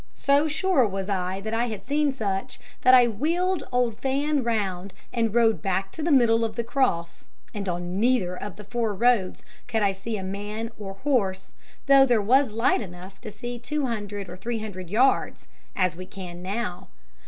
So sure was I that I had seen such, that I wheeled old Fan round, and rode back to the middle of the cross, and on neither of the four roads could I see a man or horse, though there was light enough to see two hundred or three hundred yards, as we can now.